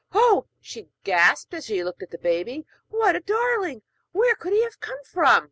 'Oh!' she gasped, as she looked at the baby, 'what a darling! Where could he have come from?'